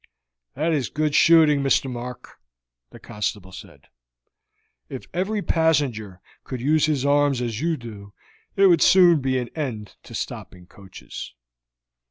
"That is good shooting, Mr. Mark," the constable said. "If every passenger could use his arms as you do there would soon be an end to stopping coaches.